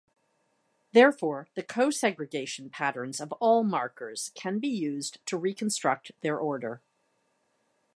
Therefore, the "co-segregation" patterns of all markers can be used to reconstruct their order.